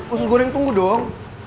usus goreng tunggu dong